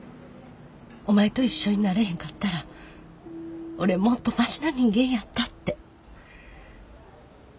お前と一緒になれへんかったら俺もっとマシな人間やったって。